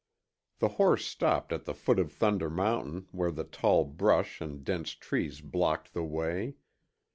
The horse stopped at the foot of Thunder Mountain where the tall brush and dense trees blocked the way.